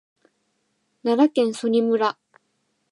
奈良県曽爾村